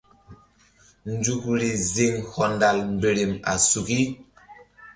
Nzukri ziŋ hɔndal mberem a suki.